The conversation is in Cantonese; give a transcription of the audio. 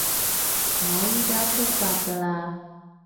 我依加出發㗎喇